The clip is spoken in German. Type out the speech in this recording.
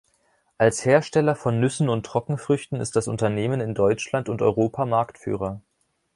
Als Hersteller von Nüssen und Trockenfrüchten ist das Unternehmen in Deutschland und Europa Marktführer.